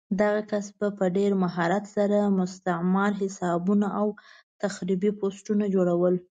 دغه کس به په ډېر مهارت سره مستعار حسابونه او تخریبي پوسټونه جوړول